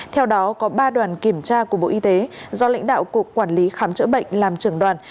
theo đó có ba đoàn kiểm tra của bộ y tế do lãnh đạo cục quản lý khám chữa bệnh làm trưởng đoàn